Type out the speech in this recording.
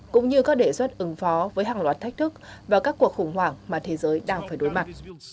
cũng như các đề xuất ứng phó với hàng loạt thách thức và các cuộc khủng hoảng mà thế giới đang phải đối mặt